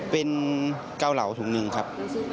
เป็นเกาเหลาถุงหนึ่งครับ